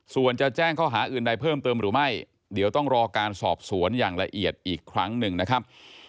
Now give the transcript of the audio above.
ส่วนจะแจ้งข้อหาอื่นใดเพิ่มเติมหรือไม่เดี๋ยวต้องรอการสอบสวนอย่างละเอียดอีกครั้งหนึ่งนะครับ